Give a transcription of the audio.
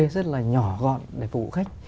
rất là nhỏ gọn để phục vụ khách